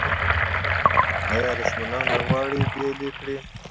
آیا دښمنان نه غواړي بیل یې کړي؟